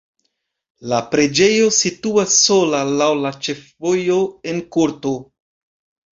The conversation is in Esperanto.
La preĝejo situas sola laŭ la ĉefvojo en korto.